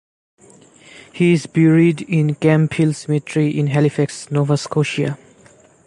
He is buried in Camp Hill Cemetery in Halifax, Nova Scotia.